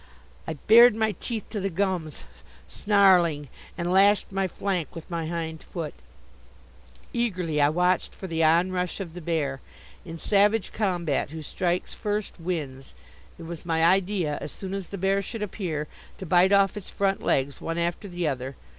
I bared my teeth to the gums, snarling, and lashed my flank with my hind foot. Eagerly I watched for the onrush of the bear. In savage combat who strikes first wins. It was my idea, as soon as the bear should appear, to bite off its front legs one after the other.